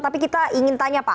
tapi kita ingin tanya pak